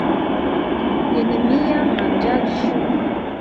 Jen mia manĝaĵo